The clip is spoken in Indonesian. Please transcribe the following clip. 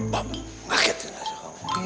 bob ngaket juga sih kamu